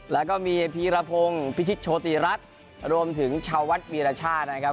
แล้วก็มีพีรพงศ์พิชิตโชติรัฐรวมถึงชาววัดวีรชาตินะครับ